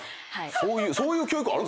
そういう教育ある？